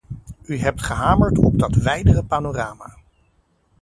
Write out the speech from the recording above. U hebt gehamerd op dat wijdere panorama.